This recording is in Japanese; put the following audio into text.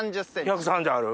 １３０ある。